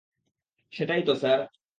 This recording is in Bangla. সেটাই তো, স্যার।